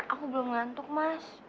aku belum ngantuk mas